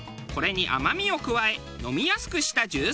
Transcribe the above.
これに甘みを加え飲みやすくしたジュース。